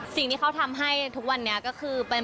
สิ่งที่เขาทำให้ทุกวันนี้ก็คือ